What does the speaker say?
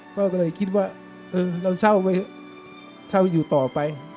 ก็เลยคิดว่าเออเราเศร้าไปเช่าอยู่ต่อไป